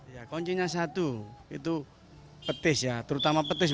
ya kuncinya satu itu petis ya terutama petis